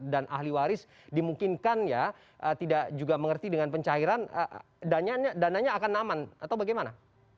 dan ahli waris dimungkinkan ya tidak juga mengerti dengan pencairan dananya akan aman atau bagaimana